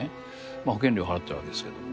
まあ保険料を払ってるわけですけども。